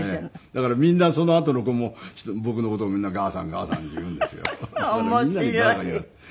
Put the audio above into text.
だからみんなそのあとの子も僕の事を「があさんがあさん」って言うんですよ。